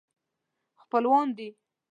خپلوان دي.